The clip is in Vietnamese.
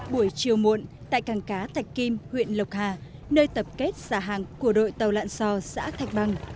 buổi chiều muộn tại cảng cá thạch kim huyện lộc hà nơi tập kết xả hàng của đội tàu lặn sò xã thạch bằng